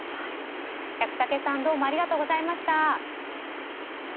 百武さん、どうもありがとうございました。